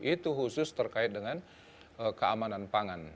itu khusus terkait dengan keamanan pangan